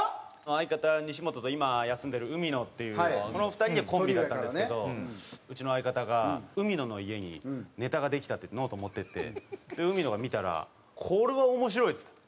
相方西本と今は休んでる海野っていうこの２人でコンビだったんですけどうちの相方が海野の家にネタができたっていってノート持っていって海野が見たら「これは面白い」っつって。